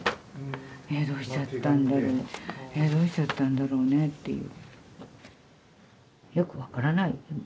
えどうしちゃったんだろうえどうしちゃったんだろうねっていう。